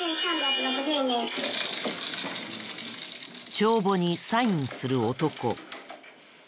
帳簿にサインする男。